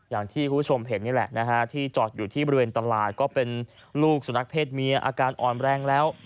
อย่างที่คุณผู้ชมเห็นนี่แหละนะฮะที่จอดอยู่ที่บริเวณตลาดก็เป็นลูกสุนัขเพศเมียอาการอ่อนแรงแล้ว